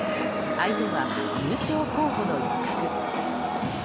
相手は優勝候補の一角。